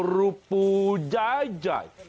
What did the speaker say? รูปูใหญ่